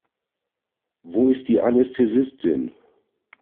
Wo ist die Anästhesistin?